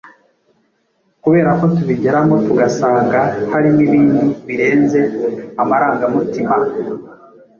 kubera ko tubigeramo tugasanga harimo ibindi birenze amarangamutima